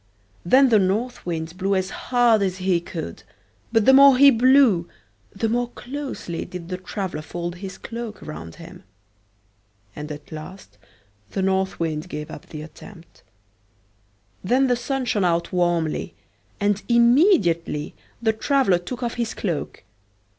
Then the North Wind blew as hard as he could, but the more he blew the more closely did the traveler fold his cloak around him; and at last the North Wind gave up the attempt. Then the Sun shined out warmly, and immediately the traveler took off his cloak.